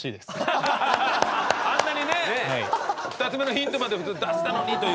あんなにね２つ目のヒントまで出したのにという。